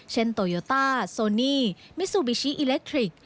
โตโยต้าโซนีมิซูบิชิอิเล็กทริกส